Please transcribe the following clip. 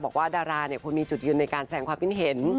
บอกว่าดาราควรมีจุดยืนในการแสงความคิดเห็น